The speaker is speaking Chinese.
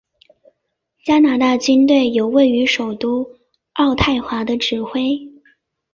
加拿大军队由位于首都渥太华的指挥。